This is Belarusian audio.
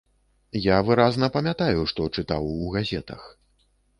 Я выразна памятаю, што чытаў у газетах.